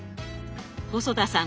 細田さん